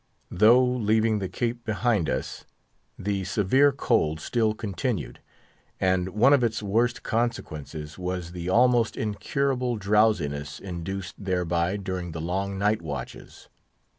Though leaving the Cape behind us, the severe cold still continued, and one of its worst consequences was the almost incurable drowsiness induced thereby during the long night watches.